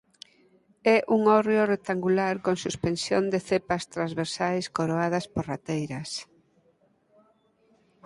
É un hórreo rectangular con suspensión de cepas transversais coroadas por rateiras.